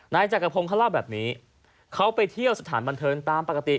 นายจักรพงศ์เขาเล่าแบบนี้เขาไปเที่ยวสถานบันเทิงตามปกติ